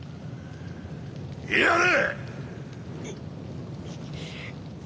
やれ！